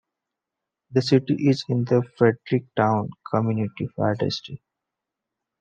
The city is in the Fredericktown Community Fire District.